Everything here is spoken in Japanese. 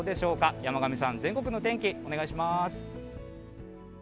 山神さん、全国の天気お願いしま